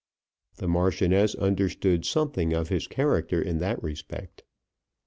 The Marchioness understood something of his character in that respect.